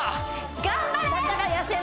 頑張れ！